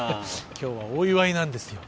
今日はお祝いなんですよ。